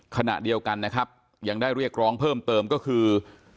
ขณะเดียวกันนะครับยังได้เรียกร้องเพิ่มเติมก็คือ